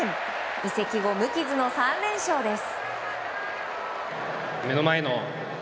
移籍後、無傷の３連勝です。